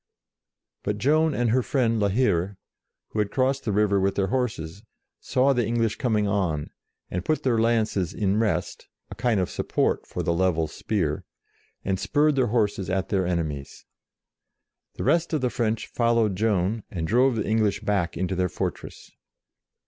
But Joan and her friend La Hire, who had crossed the river with their horses, saw the English coming on, and put their lances in rest (a kind of support for the level spear), and spurred their horses at their enemies. The rest of the French followed Joan, and drove the English back into their fortress.